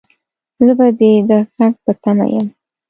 زه به دې د غږ په تمه يم